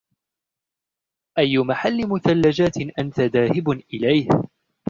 أي مَحَل مثلجات أنتَ ذاهب إليه ؟